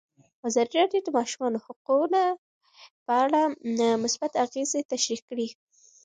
ازادي راډیو د د ماشومانو حقونه په اړه مثبت اغېزې تشریح کړي.